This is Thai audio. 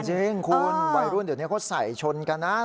จริงคุณวัยรุ่นเดี๋ยวนี้เขาใส่ชนกันนะ